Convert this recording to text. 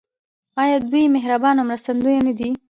آیا دوی مهربان او مرستندوی نه دي؟